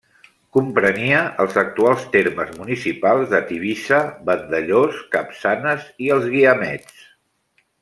Comprenia els actuals termes municipals de Tivissa, Vandellòs, Capçanes i els Guiamets.